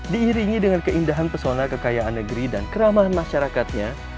diiringi dengan keindahan pesona kekayaan negeri dan keramahan masyarakatnya